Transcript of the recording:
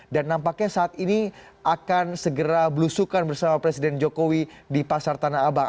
dan nampaknya saat ini akan segera belusukan bersama presiden jokowi di pasar tanah abang